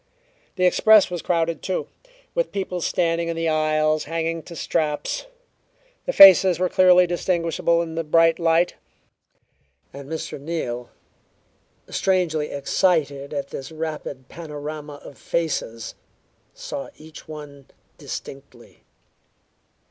The express was crowded too, with people standing in the aisles, hanging to straps. The faces were very clearly distinguishable in the bright light; and Mr. Neal, strangely excited at this rapid panorama of faces, saw each one distinctly.